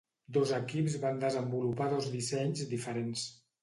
Dos equips van desenvolupar dos dissenys diferents.